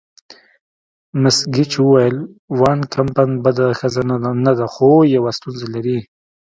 مس ګیج وویل: وان کمپن بده ښځه نه ده، خو یوه ستونزه لري.